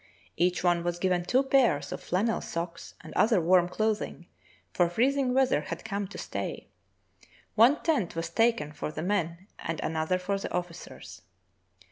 Each one was given two pairs of flannel socks and other warm clothing, for freezing weather had come to stay. One tent was taken for the men and another for the officers.